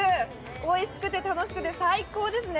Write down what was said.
おいしくて、楽しくて最高ですね。